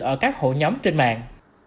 ở các hộ nhóm trên mạng